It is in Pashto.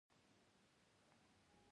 د هرات د ښار محاصرې لس میاشتې دوام وکړ.